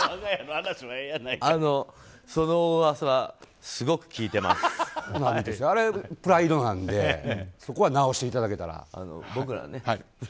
あれ、プライドなんでそこは直していただけたら。